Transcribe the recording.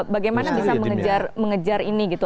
bagaimana bisa mengejar ini gitu